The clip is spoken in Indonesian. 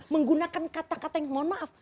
menggunakan kata kata yang mohon maaf